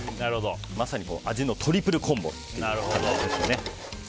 まさに味のトリプルコンボですね。